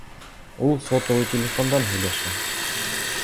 Ул сотовый телефондан һөйләшә.